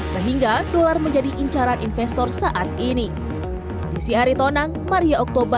sehingga dolar menjadi incaran investor saat ini